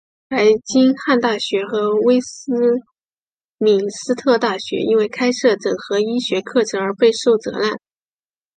白金汉大学和威斯敏斯特大学因为开设整合医学课程而备受责难。